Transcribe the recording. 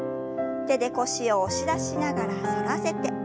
手で腰を押し出しながら反らせて。